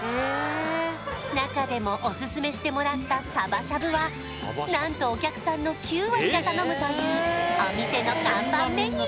中でもオススメしてもらったサバしゃぶは何とお客さんの９割が頼むというお店の看板メニュー